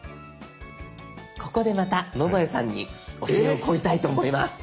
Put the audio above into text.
ここでまた野添さんに教えを請いたいと思います。